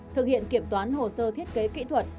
thực hiện kiểm toán hồ sơ thiết kế kỹ thuật